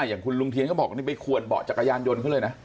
อย่างคุณลุงเทียนก็บอกนี่ไปขวนเบาะจักรยานยนต์เขาเลยนะ